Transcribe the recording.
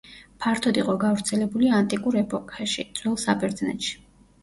ფართოდ იყო გავრცელებული ანტიკურ ეპოქაში ძველ საბერძნეთში.